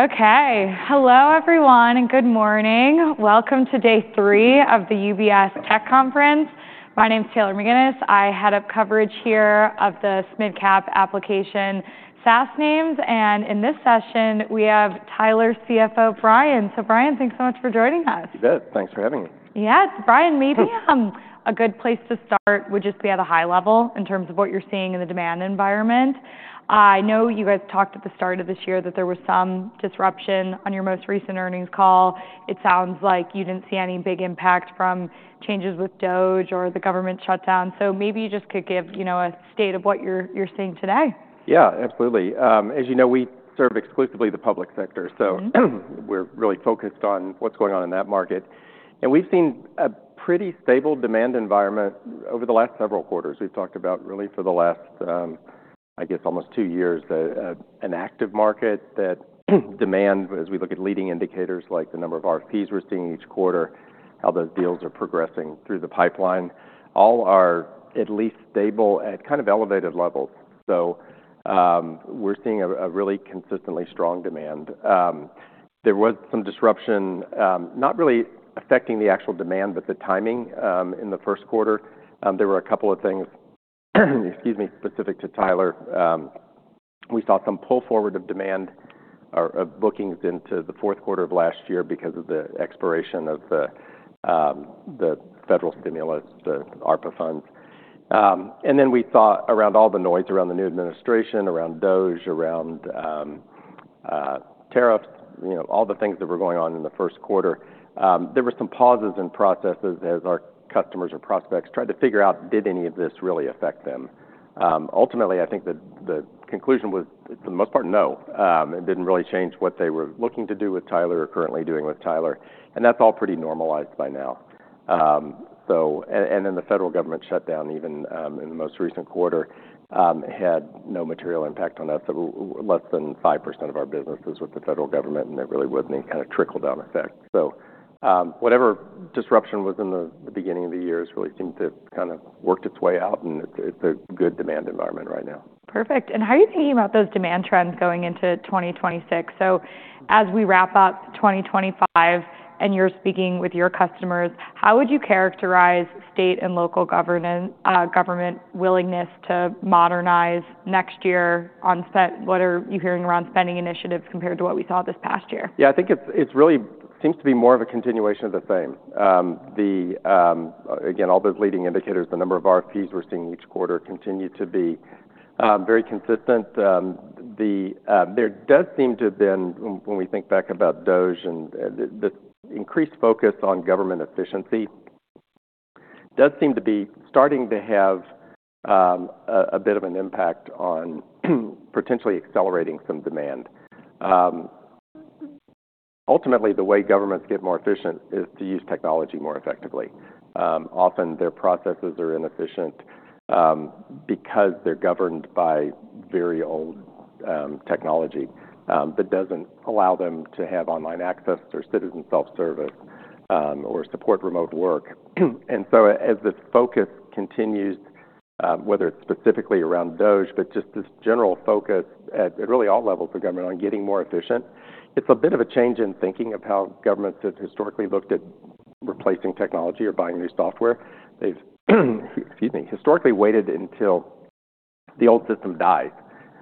Okay. Hello, everyone, and good morning. Welcome to day three of the UBS Tech Conference. My name's Taylor McGinnis. I head up coverage here of the SMIDCAP application SaaS names. And in this session, we have Tyler CFO Brian. So, Brian, thanks so much for joining us. You bet. Thanks for having me. Yes. Brian, maybe a good place to start would just be at a high level in terms of what you're seeing in the demand environment. I know you guys talked at the start of this year that there was some disruption on your most recent earnings call. It sounds like you didn't see any big impact from changes with DOGE or the government shutdown. So maybe you just could give a state of what you're seeing today. Yeah, absolutely. As you know, we serve exclusively the public sector. So we're really focused on what's going on in that market. And we've seen a pretty stable demand environment over the last several quarters. We've talked about, really, for the last, I guess, almost two years, an active market that demand, as we look at leading indicators like the number of RFPs we're seeing each quarter, how those deals are progressing through the pipeline, all are at least stable at kind of elevated levels. So we're seeing a really consistently strong demand. There was some disruption, not really affecting the actual demand, but the timing in the first quarter. There were a couple of things, excuse me, specific to Tyler. We saw some pull forward of demand or of bookings into the fourth quarter of last year because of the expiration of the federal stimulus, the ARPA funds. And then we saw, around all the noise around the new administration, around DOGE, around tariffs, all the things that were going on in the first quarter, there were some pauses in processes as our customers or prospects tried to figure out, did any of this really affect them? Ultimately, I think the conclusion was, for the most part, no. It didn't really change what they were looking to do with Tyler or currently doing with Tyler. And that's all pretty normalized by now. And then the federal government shutdown, even in the most recent quarter, had no material impact on us. Less than 5% of our businesses with the federal government, and it really wasn't any kind of trickle-down effect. So whatever disruption was in the beginning of the year really seemed to kind of work its way out. And it's a good demand environment right now. Perfect. And how are you thinking about those demand trends going into 2026? So as we wrap up 2025 and you're speaking with your customers, how would you characterize state and local government willingness to modernize next year? What are you hearing around spending initiatives compared to what we saw this past year? Yeah, I think it really seems to be more of a continuation of the same. Again, all those leading indicators, the number of RFPs we're seeing each quarter continue to be very consistent. There does seem to have been, when we think back about DOGE, and the increased focus on government efficiency does seem to be starting to have a bit of an impact on potentially accelerating some demand. Ultimately, the way governments get more efficient is to use technology more effectively. Often, their processes are inefficient because they're governed by very old technology that doesn't allow them to have online access or citizen self-service or support remote work. And so as this focus continues, whether it's specifically around DOGE, but just this general focus at really all levels of government on getting more efficient, it's a bit of a change in thinking of how governments have historically looked at replacing technology or buying new software. They've, excuse me, historically waited until the old system died.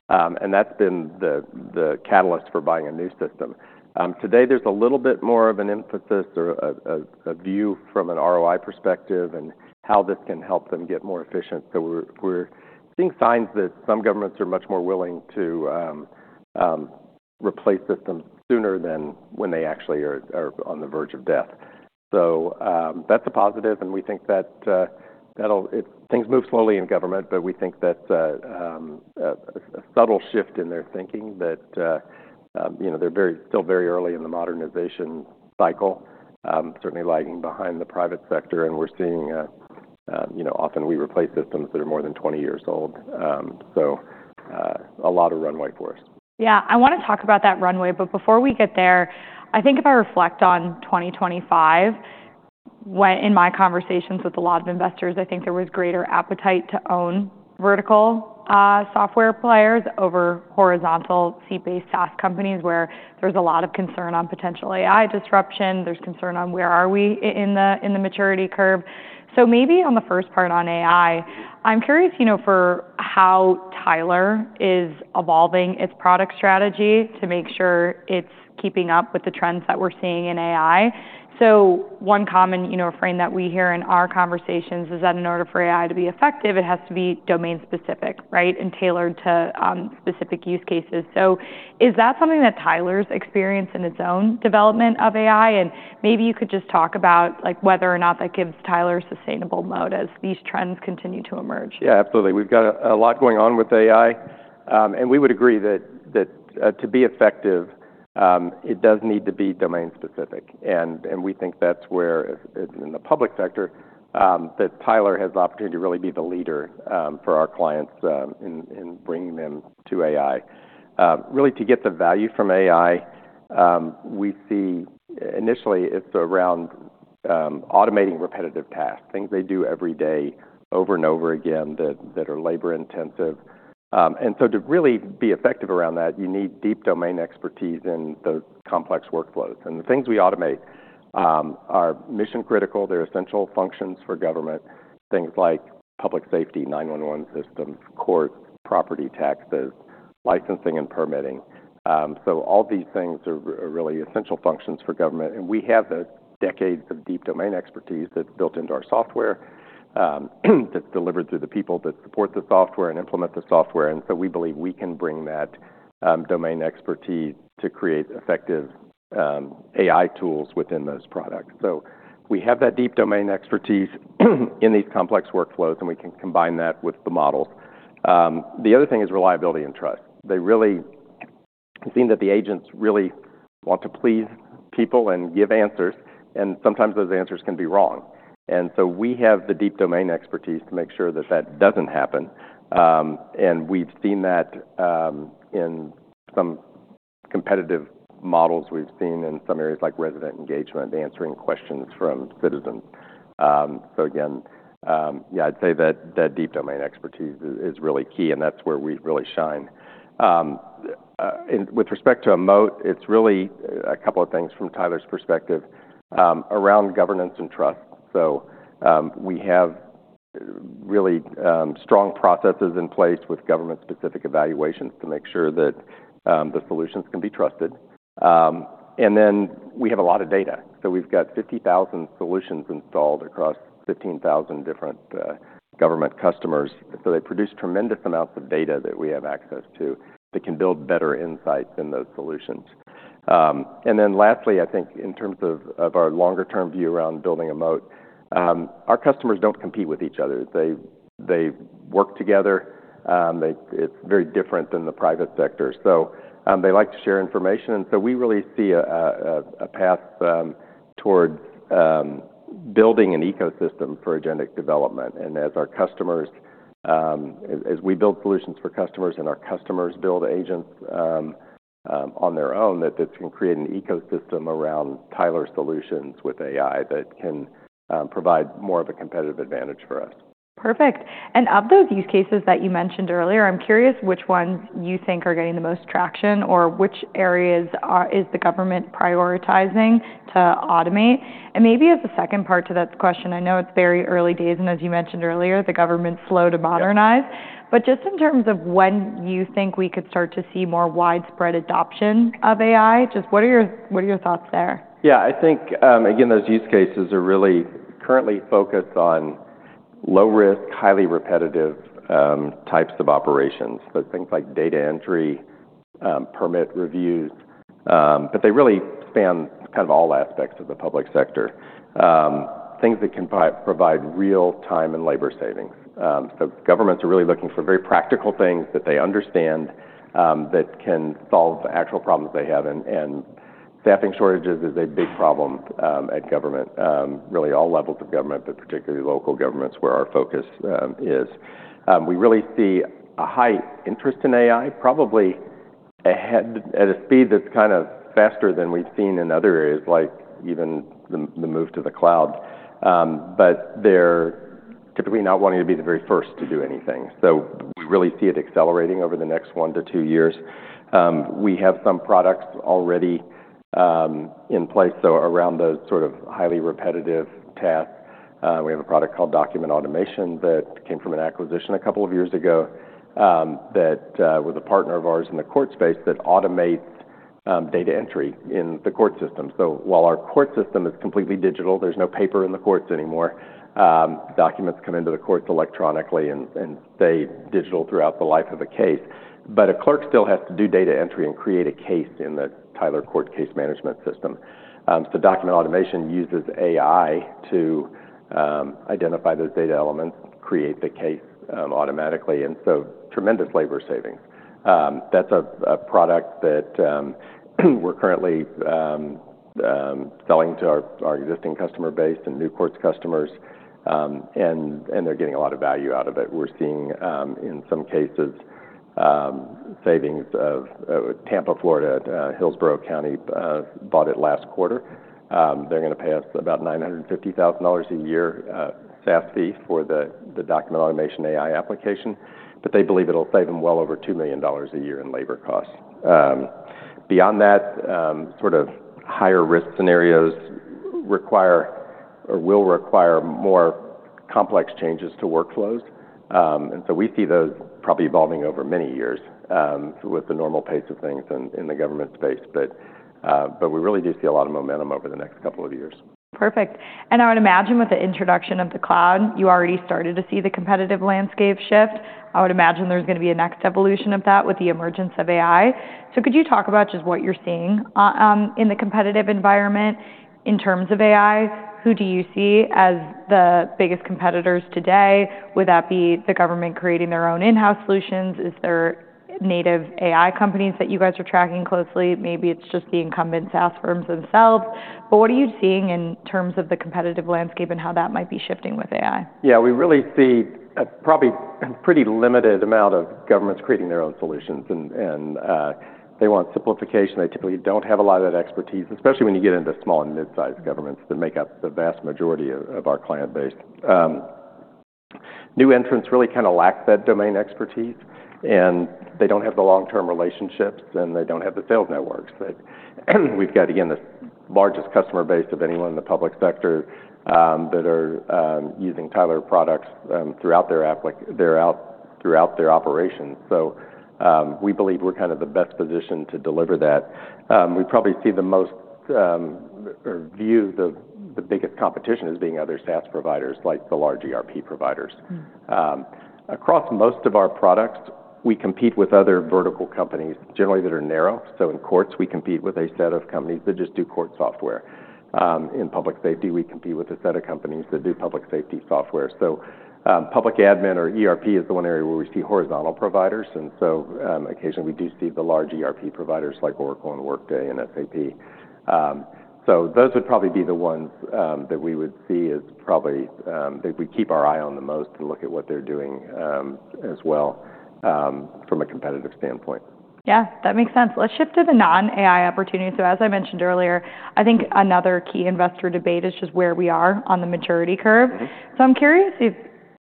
And that's been the catalyst for buying a new system. Today, there's a little bit more of an emphasis or a view from an ROI perspective and how this can help them get more efficient. So we're seeing signs that some governments are much more willing to replace systems sooner than when they actually are on the verge of death. So that's a positive. And we think that things move slowly in government, but we think that a subtle shift in their thinking that they're still very early in the modernization cycle, certainly lagging behind the private sector. And we're seeing often we replace systems that are more than 20 years old. So a lot of runway for us. Yeah. I want to talk about that runway. But before we get there, I think if I reflect on 2025, in my conversations with a lot of investors, I think there was greater appetite to own vertical software players over horizontal seat-based SaaS companies where there's a lot of concern on potential AI disruption. There's concern on where are we in the maturity curve. So maybe on the first part on AI, I'm curious for how Tyler is evolving its product strategy to make sure it's keeping up with the trends that we're seeing in AI. So one common frame that we hear in our conversations is that in order for AI to be effective, it has to be domain-specific, right, and tailored to specific use cases. So is that something that Tyler's experience in its own development of AI? Maybe you could just talk about whether or not that gives Tyler sustainable moat as these trends continue to emerge? Yeah, absolutely. We've got a lot going on with AI. And we would agree that to be effective, it does need to be domain-specific. And we think that's where in the public sector that Tyler has the opportunity to really be the leader for our clients in bringing them to AI. Really, to get the value from AI, we see initially it's around automating repetitive tasks, things they do every day over and over again that are labor-intensive. And so to really be effective around that, you need deep domain expertise in those complex workflows. And the things we automate are mission-critical. They're essential functions for government, things like public safety, 911 systems, courts, property taxes, licensing, and permitting. So all these things are really essential functions for government. And we have decades of deep domain expertise that's built into our software that's delivered through the people that support the software and implement the software. And so we believe we can bring that domain expertise to create effective AI tools within those products. So we have that deep domain expertise in these complex workflows, and we can combine that with the models. The other thing is reliability and trust. They really seem that the agents really want to please people and give answers. And sometimes those answers can be wrong. And so we have the deep domain expertise to make sure that that doesn't happen. And we've seen that in some competitive models. We've seen in some areas like resident engagement, answering questions from citizens. So again, yeah, I'd say that deep domain expertise is really key. And that's where we really shine. With respect to a moat, it's really a couple of things from Tyler's perspective around governance and trust. So we have really strong processes in place with government-specific evaluations to make sure that the solutions can be trusted. And then we have a lot of data. So we've got 50,000 solutions installed across 15,000 different government customers. So they produce tremendous amounts of data that we have access to that can build better insights in those solutions. And then lastly, I think in terms of our longer-term view around building a moat, our customers don't compete with each other. They work together. It's very different than the private sector. So they like to share information. And so we really see a path towards building an ecosystem for agentic development. As our customers, as we build solutions for customers and our customers build agents on their own, that this can create an ecosystem around Tyler solutions with AI that can provide more of a competitive advantage for us. Perfect, and of those use cases that you mentioned earlier, I'm curious which ones you think are getting the most traction or which areas is the government prioritizing to automate, and maybe as a second part to that question, I know it's very early days, and as you mentioned earlier, the government's slow to modernize, but just in terms of when you think we could start to see more widespread adoption of AI, just what are your thoughts there? Yeah. I think, again, those use cases are really currently focused on low-risk, highly repetitive types of operations, so things like data entry, permit reviews. But they really span kind of all aspects of the public sector, things that can provide real-time and labor savings. So governments are really looking for very practical things that they understand that can solve actual problems they have. And staffing shortages is a big problem at government, really all levels of government, but particularly local governments where our focus is. We really see a high interest in AI, probably at a speed that's kind of faster than we've seen in other areas, like even the move to the cloud. But they're typically not wanting to be the very first to do anything. So we really see it accelerating over the next one to two years. We have some products already in place. So around those sort of highly repetitive tasks, we have a product called Document Automation that came from an acquisition a couple of years ago that was a partner of ours in the court space that automates data entry in the court system. So while our court system is completely digital, there's no paper in the courts anymore. Documents come into the courts electronically and stay digital throughout the life of a case. But a clerk still has to do data entry and create a case in the Tyler Court Case Management System. So Document Automation uses AI to identify those data elements, create the case automatically. And so tremendous labor savings. That's a product that we're currently selling to our existing customer base and new courts customers. And they're getting a lot of value out of it. We're seeing in some cases savings of Tampa, Florida. Hillsborough County bought it last quarter. They're going to pay us about $950,000 a year SaaS fee for the Document Automation AI application. But they believe it'll save them well over $2 million a year in labor costs. Beyond that, sort of higher risk scenarios require or will require more complex changes to workflows. And so we see those probably evolving over many years with the normal pace of things in the government space. But we really do see a lot of momentum over the next couple of years. Perfect. And I would imagine with the introduction of the cloud, you already started to see the competitive landscape shift. I would imagine there's going to be a next evolution of that with the emergence of AI. So could you talk about just what you're seeing in the competitive environment in terms of AI? Who do you see as the biggest competitors today? Would that be the government creating their own in-house solutions? Is there native AI companies that you guys are tracking closely? Maybe it's just the incumbent SaaS firms themselves. But what are you seeing in terms of the competitive landscape and how that might be shifting with AI? Yeah. We really see probably a pretty limited amount of governments creating their own solutions. And they want simplification. They typically don't have a lot of that expertise, especially when you get into small and mid-sized governments that make up the vast majority of our client base. New entrants really kind of lack that domain expertise. And they don't have the long-term relationships. And they don't have the sales networks. We've got, again, the largest customer base of anyone in the public sector that are using Tyler products throughout their operations. So we believe we're kind of the best position to deliver that. We probably see the most or view the biggest competition as being other SaaS providers like the large ERP providers. Across most of our products, we compete with other vertical companies generally that are narrow. So in courts, we compete with a set of companies that just do court software. In public safety, we compete with a set of companies that do public safety software. So public admin or ERP is the one area where we see horizontal providers. And so occasionally we do see the large ERP providers like Oracle and Workday and SAP. So those would probably be the ones that we would see as probably that we keep our eye on the most and look at what they're doing as well from a competitive standpoint. Yeah. That makes sense. Let's shift to the non-AI opportunity. So as I mentioned earlier, I think another key investor debate is just where we are on the maturity curve. So I'm curious if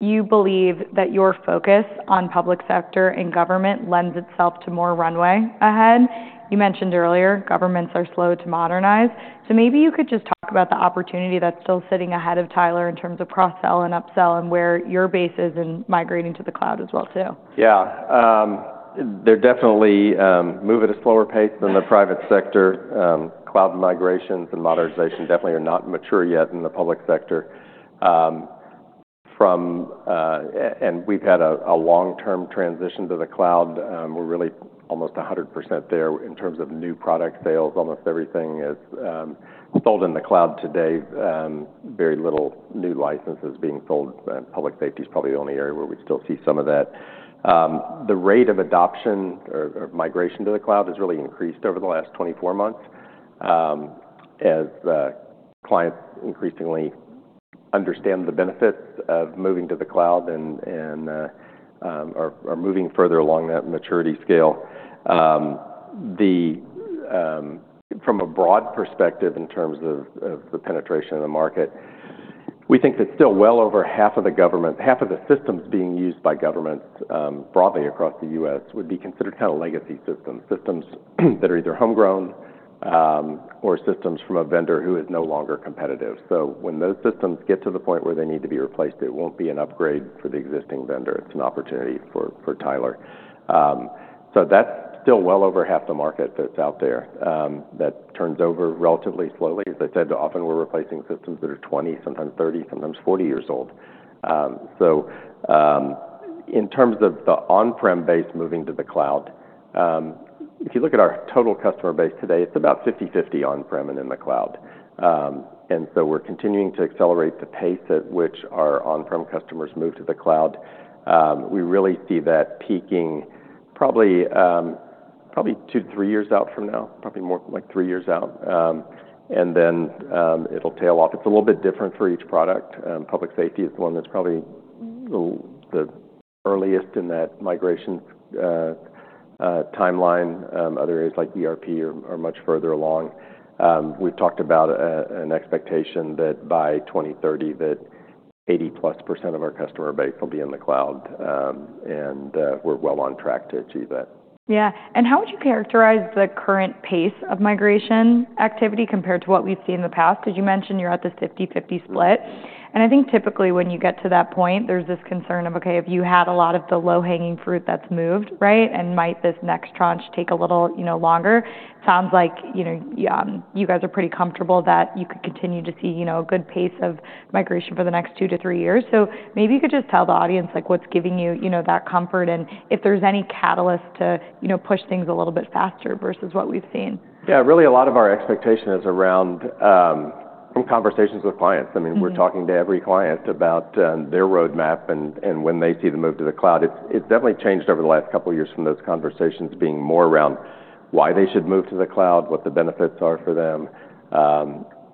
you believe that your focus on public sector and government lends itself to more runway ahead. You mentioned earlier governments are slow to modernize. So maybe you could just talk about the opportunity that's still sitting ahead of Tyler in terms of cross-sell and upsell and where your base is in migrating to the cloud as well too. Yeah. They're definitely moving at a slower pace than the private sector. Cloud migrations and modernization definitely are not mature yet in the public sector, and we've had a long-term transition to the cloud. We're really almost 100% there in terms of new product sales. Almost everything is sold in the cloud today. Very little new licenses being sold. Public safety is probably the only area where we still see some of that. The rate of adoption or migration to the cloud has really increased over the last 24 months as clients increasingly understand the benefits of moving to the cloud and are moving further along that maturity scale. From a broad perspective in terms of the penetration in the market, we think that still well over half of the government, half of the systems being used by governments broadly across the U.S. would be considered kind of legacy systems, systems that are either homegrown or systems from a vendor who is no longer competitive. So when those systems get to the point where they need to be replaced, it won't be an upgrade for the existing vendor. It's an opportunity for Tyler. So that's still well over half the market that's out there that turns over relatively slowly. As I said, often we're replacing systems that are 20, sometimes 30, sometimes 40 years old. So in terms of the on-prem base moving to the cloud, if you look at our total customer base today, it's about 50/50 on-prem and in the cloud. And so we're continuing to accelerate the pace at which our on-prem customers move to the cloud. We really see that peaking probably two to three years out from now, probably more like three years out. And then it'll tail off. It's a little bit different for each product. Public safety is the one that's probably the earliest in that migration timeline. Other areas like ERP are much further along. We've talked about an expectation that by 2030, that 80-plus% of our customer base will be in the cloud. And we're well on track to achieve that. Yeah. And how would you characterize the current pace of migration activity compared to what we've seen in the past? Because you mentioned you're at this 50/50 split. And I think typically when you get to that point, there's this concern of, okay, if you had a lot of the low-hanging fruit that's moved, right, and might this next tranche take a little longer. It sounds like you guys are pretty comfortable that you could continue to see a good pace of migration for the next two to three years. So maybe you could just tell the audience what's giving you that comfort and if there's any catalyst to push things a little bit faster versus what we've seen. Yeah. Really, a lot of our expectation is around conversations with clients. I mean, we're talking to every client about their roadmap and when they see the move to the cloud. It's definitely changed over the last couple of years from those conversations being more around why they should move to the cloud, what the benefits are for them.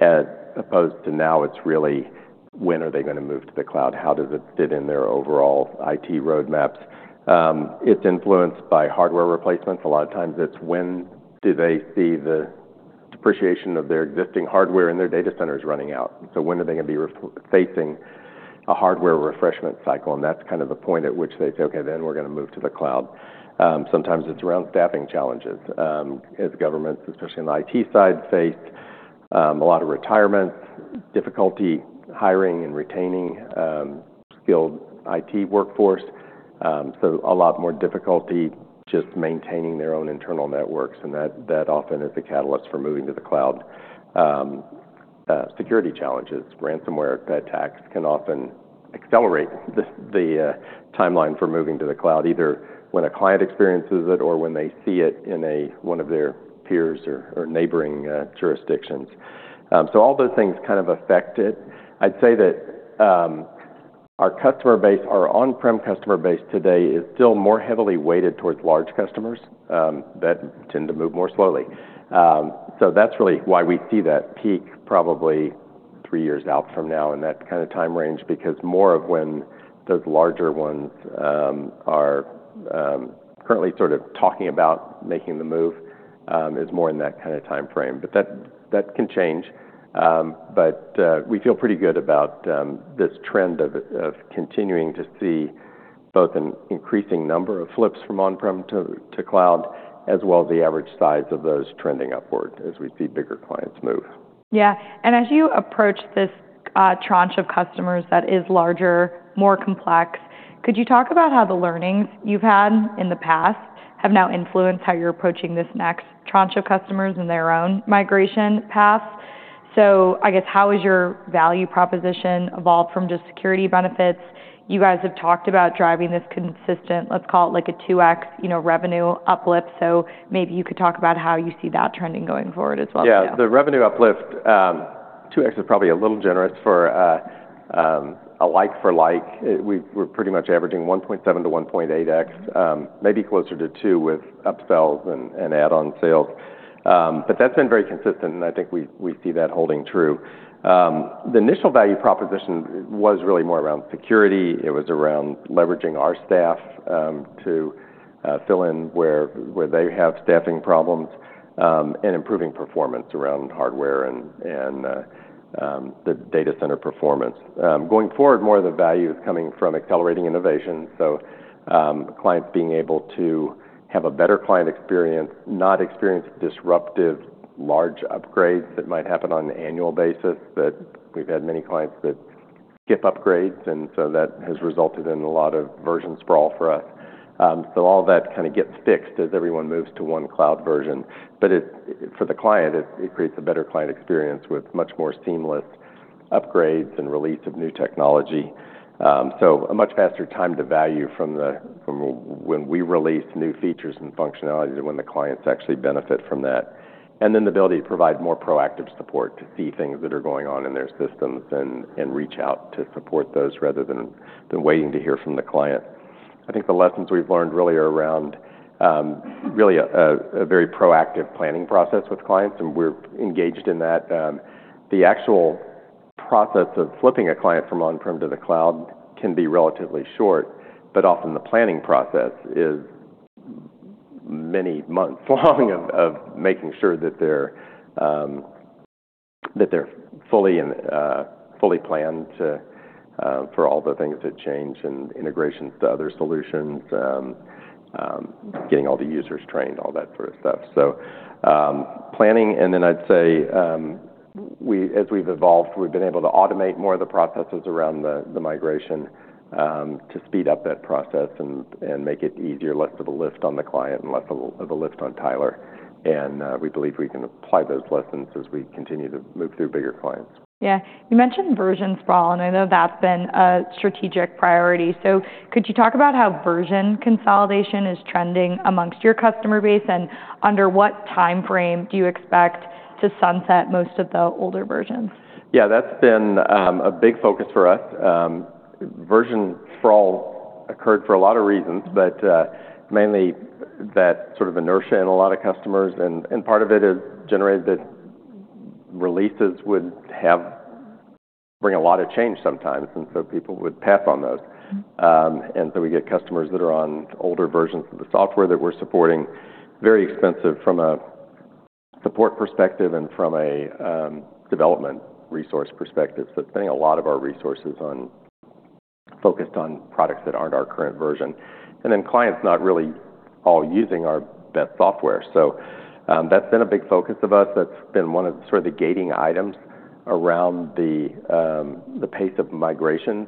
As opposed to now, it's really when are they going to move to the cloud? How does it fit in their overall IT roadmaps? It's influenced by hardware replacements. A lot of times it's when do they see the depreciation of their existing hardware and their data centers running out. So when are they going to be facing a hardware refreshment cycle? That's kind of the point at which they say, "Okay, then we're going to move to the cloud." Sometimes it's around staffing challenges as governments, especially on the IT side, face a lot of retirements, difficulty hiring and retaining skilled IT workforce. So a lot more difficulty just maintaining their own internal networks. And that often is a catalyst for moving to the cloud. Security challenges, ransomware, FedTax can often accelerate the timeline for moving to the cloud, either when a client experiences it or when they see it in one of their peers or neighboring jurisdictions. So all those things kind of affect it. I'd say that our customer base, our on-prem customer base today is still more heavily weighted towards large customers that tend to move more slowly. So that's really why we see that peak probably three years out from now in that kind of time range because more of when those larger ones are currently sort of talking about making the move is more in that kind of time frame. But that can change. But we feel pretty good about this trend of continuing to see both an increasing number of flips from on-prem to cloud as well as the average size of those trending upward as we see bigger clients move. Yeah. And as you approach this tranche of customers that is larger, more complex, could you talk about how the learnings you've had in the past have now influenced how you're approaching this next tranche of customers in their own migration path? So I guess how has your value proposition evolved from just security benefits? You guys have talked about driving this consistent, let's call it like a 2x revenue uplift. So maybe you could talk about how you see that trending going forward as well. Yeah. The revenue uplift, 2x, is probably a little generous for a like for like. We're pretty much averaging 1.7x-1.8x, maybe close`r to 2 with upsells and add-on sales. But that's been very consistent, and I think we see that holding true. The initial value proposition was really more around security. It was around leveraging our staff to fill in where they have staffing problems and improving performance around hardware and the data center performance. Going forward, more of the value is coming from accelerating innovation, so clients being able to have a better client experience, not experience disruptive large upgrades that might happen on an annual basis. We've had many clients that skip upgrades, and so that has resulted in a lot of version sprawl for us, so all that kind of gets fixed as everyone moves to one cloud version. But for the client, it creates a better client experience with much more seamless upgrades and release of new technology. So a much faster time to value from when we release new features and functionality to when the clients actually benefit from that. And then the ability to provide more proactive support to see things that are going on in their systems and reach out to support those rather than waiting to hear from the client. I think the lessons we've learned really are around a very proactive planning process with clients. And we're engaged in that. The actual process of flipping a client from on-prem to the cloud can be relatively short. But often the planning process is many months long of making sure that they're fully planned for all the things that change and integrations to other solutions, getting all the users trained, all that sort of stuff. So planning. And then I'd say as we've evolved, we've been able to automate more of the processes around the migration to speed up that process and make it easier, less of a lift on the client and less of a lift on Tyler. And we believe we can apply those lessons as we continue to move through bigger clients. Yeah. You mentioned version sprawl. And I know that's been a strategic priority. So could you talk about how version consolidation is trending amongst your customer base? And under what time frame do you expect to sunset most of the older versions? Yeah. That's been a big focus for us. Version sprawl occurred for a lot of reasons, but mainly that sort of inertia in a lot of customers. And part of it is generally that releases would bring a lot of change sometimes. And so people would pass on those. And so we get customers that are on older versions of the software that we're supporting, very expensive from a support perspective and from a development resource perspective. So spending a lot of our resources focused on products that aren't our current version. And then clients not really all using our best software. So that's been a big focus of us. That's been one of sort of the gating items around the pace of migration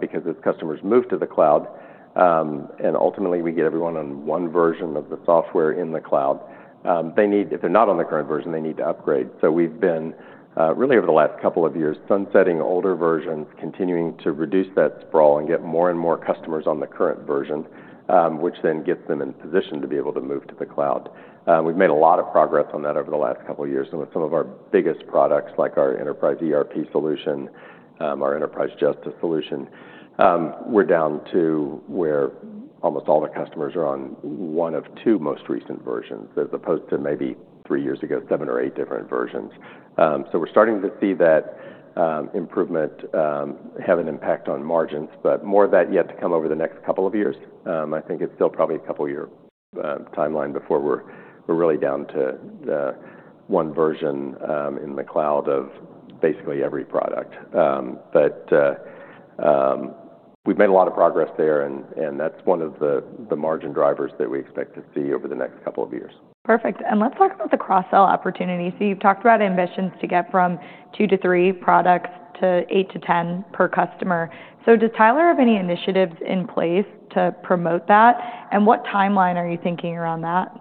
because as customers move to the cloud and ultimately we get everyone on one version of the software in the cloud, if they're not on the current version, they need to upgrade, so we've been really over the last couple of years sunsetting older versions, continuing to reduce that sprawl and get more and more customers on the current version, which then gets them in position to be able to move to the cloud. We've made a lot of progress on that over the last couple of years, and with some of our biggest products like our Enterprise ERP solution, our Enterprise Justice solution, we're down to where almost all the customers are on one of two most recent versions as opposed to maybe three years ago, seven or eight different versions. We're starting to see that improvement have an impact on margins, but more of that yet to come over the next couple of years. I think it's still probably a couple-year timeline before we're really down to one version in the cloud of basically every product. We've made a lot of progress there. That's one of the margin drivers that we expect to see over the next couple of years. Perfect. And let's talk about the cross-sell opportunity. So you've talked about ambitions to get from two to three products to eight to ten per customer. So does Tyler have any initiatives in place to promote that? And what timeline are you thinking around that?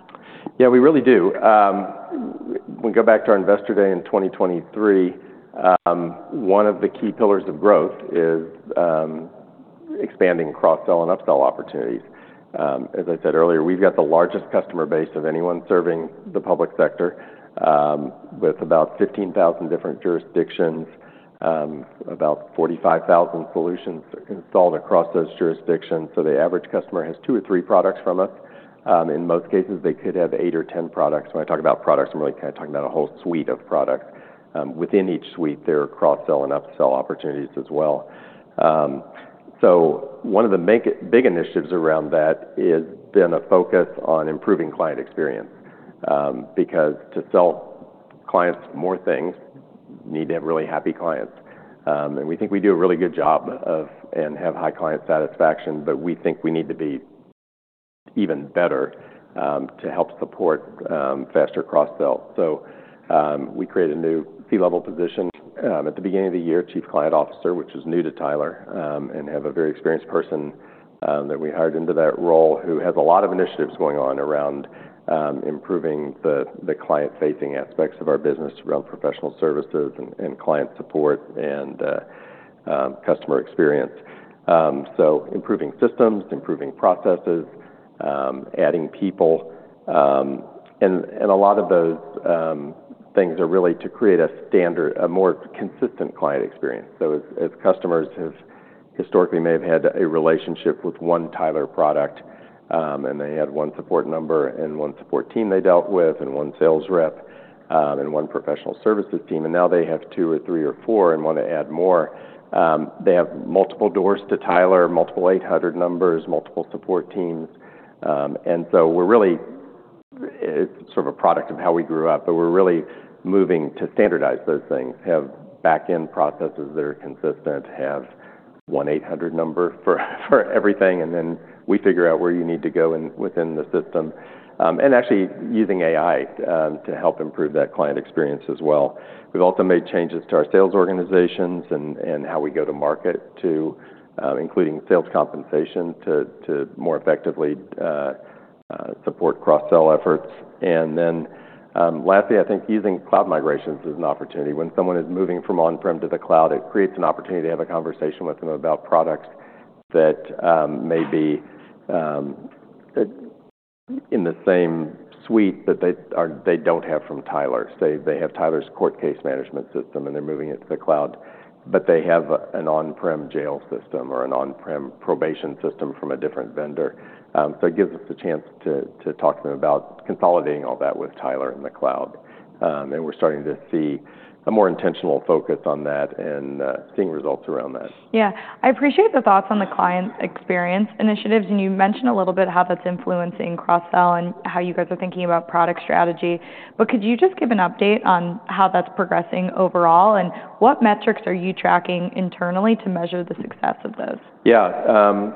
Yeah. We really do. When we go back to our investor day in 2023, one of the key pillars of growth is expanding cross-sell and upsell opportunities. As I said earlier, we've got the largest customer base of anyone serving the public sector with about 15,000 different jurisdictions, about 45,000 solutions installed across those jurisdictions. So the average customer has two or three products from us. In most cases, they could have eight or 10 products. When I talk about products, I'm really kind of talking about a whole suite of products. Within each suite, there are cross-sell and upsell opportunities as well. So one of the big initiatives around that has been a focus on improving client experience because to sell clients more things need to have really happy clients. And we think we do a really good job of and have high client satisfaction, but we think we need to be even better to help support faster cross-sell. So we created a new C-level position at the beginning of the year, Chief Client Officer, which is new to Tyler, and have a very experienced person that we hired into that role who has a lot of initiatives going on around improving the client-facing aspects of our business around professional services and client support and customer experience. So improving systems, improving processes, adding people. And a lot of those things are really to create a standard, a more consistent client experience. So as customers have historically may have had a relationship with one Tyler product and they had one support number and one support team they dealt with and one sales rep and one professional services team. And now they have two or three or four and want to add more. They have multiple doors to Tyler, multiple 800 numbers, multiple support teams. And so we're really sort of a product of how we grew up, but we're really moving to standardize those things, have back-end processes that are consistent, have one 800 number for everything. And then we figure out where you need to go within the system and actually using AI to help improve that client experience as well. We've also made changes to our sales organizations and how we go to market, including sales compensation to more effectively support cross-sell efforts. And then lastly, I think using cloud migrations is an opportunity. When someone is moving from on-prem to the cloud, it creates an opportunity to have a conversation with them about products that may be in the same suite that they don't have from Tyler. They have Tyler's court case management system and they're moving it to the cloud, but they have an on-prem jail system or an on-prem probation system from a different vendor, so it gives us the chance to talk to them about consolidating all that with Tyler in the cloud, and we're starting to see a more intentional focus on that and seeing results around that. Yeah. I appreciate the thoughts on the client experience initiatives. And you mentioned a little bit how that's influencing cross-sell and how you guys are thinking about product strategy. But could you just give an update on how that's progressing overall? And what metrics are you tracking internally to measure the success of those? Yeah.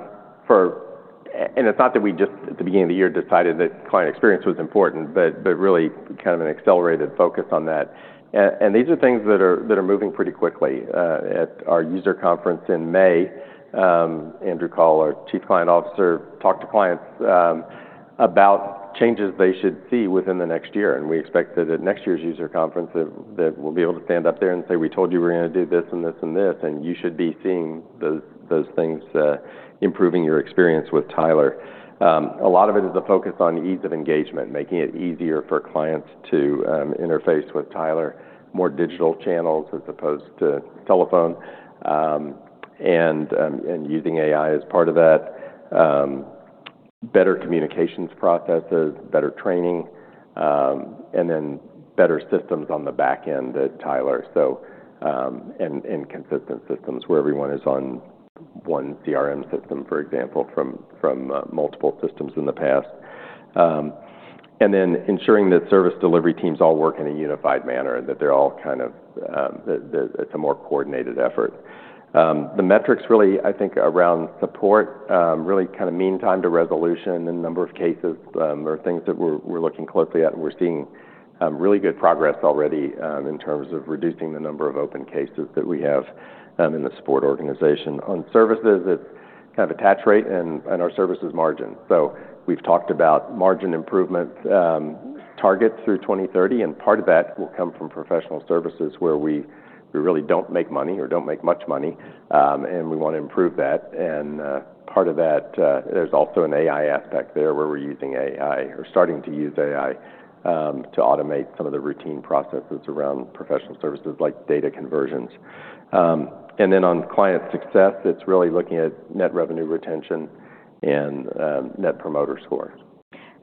And it's not that we just at the beginning of the year decided that client experience was important, but really kind of an accelerated focus on that. And these are things that are moving pretty quickly. At our user conference in May, Andrew Kahl, our Chief Client Officer, talked to clients about changes they should see within the next year. We expect that at next year's user conference, that we'll be able to stand up there and say, "We told you we're going to do this and this and this, and you should be seeing those things improving your experience with Tyler." A lot of it is the focus on ease of engagement, making it easier for clients to interface with Tyler, more digital channels as opposed to telephone, and using AI as part of that, better communications processes, better training, and then better systems on the back end at Tyler, and consistent systems where everyone is on one CRM system, for example, from multiple systems in the past, then ensuring that service delivery teams all work in a unified manner and that they're all kind of that it's a more coordinated effort. The metrics really, I think, around support really kind of mean time to resolution and number of cases are things that we're looking closely at. And we're seeing really good progress already in terms of reducing the number of open cases that we have in the support organization. On services, it's kind of attach rate and our services margin. So we've talked about margin improvement targets through 2030. And part of that will come from professional services where we really don't make money or don't make much money. And we want to improve that. And part of that, there's also an AI aspect there where we're using AI or starting to use AI to automate some of the routine processes around professional services like data conversions. And then on client success, it's really looking at net revenue retention and net promoter scores.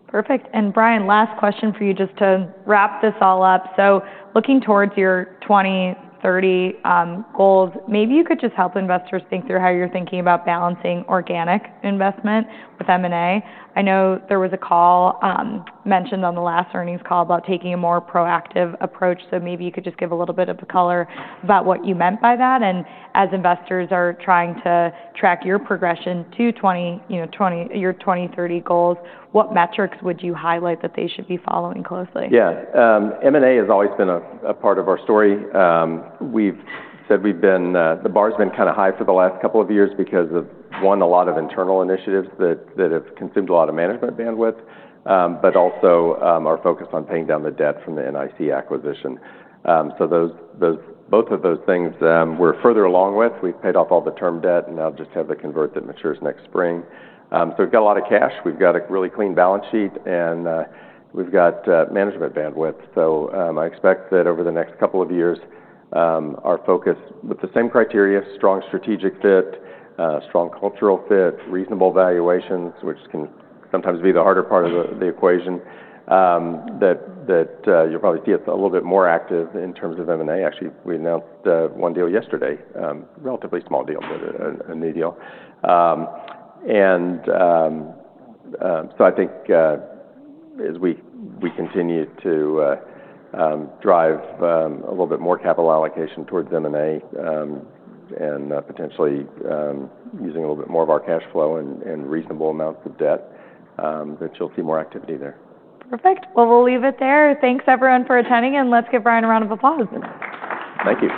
Perfect. And Brian, last question for you just to wrap this all up. So looking towards your 2030 goals, maybe you could just help investors think through how you're thinking about balancing organic investment with M&A. I know there was a call mentioned on the last earnings call about taking a more proactive approach. So maybe you could just give a little bit of a color about what you meant by that. And as investors are trying to track your progression to your 2030 goals, what metrics would you highlight that they should be following closely? Yeah. M&A has always been a part of our story. We've said the bar has been kind of high for the last couple of years because of, one, a lot of internal initiatives that have consumed a lot of management bandwidth, but also our focus on paying down the debt from the NIC acquisition. So both of those things we're further along with. We've paid off all the term debt and now just have to convert that matures next spring. So we've got a lot of cash. We've got a really clean balance sheet. And we've got management bandwidth. So I expect that over the next couple of years, our focus with the same criteria, strong strategic fit, strong cultural fit, reasonable valuations, which can sometimes be the harder part of the equation, that you'll probably see us a little bit more active in terms of M&A. Actually, we announced one deal yesterday, relatively small deal, but a new deal. And so I think as we continue to drive a little bit more capital allocation towards M&A and potentially using a little bit more of our cash flow and reasonable amounts of debt, that you'll see more activity there. Perfect. Well, we'll leave it there. Thanks, everyone, for attending, and let's give Brian a round of applause. Thank you.